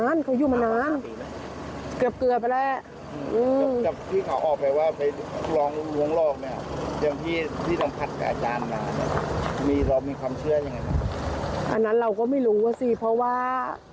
อันนั้นเราก็ไม่รู้ว่าสิเพราะว่า